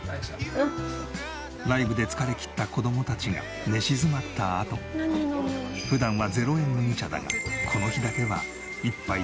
ライブで疲れきった子供たちが寝静まったあと普段は０円麦茶だがこの日だけは１杯２０円のコーヒー。